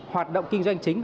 hoạt động kinh doanh chính